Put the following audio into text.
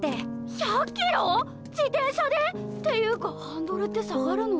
ひゃっきろォ⁉自転車で⁉ていうかハンドルって下がるの？